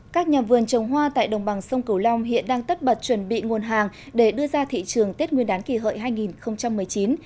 các nhà vườn trồng hoa tại đồng bằng sông cửu long hiện đang tất bật chuẩn bị nguồn hàng để đưa ra thị trường tết nguyên đán kỳ hợi hai nghìn một mươi chín